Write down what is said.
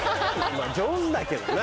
まぁ上手だけどな。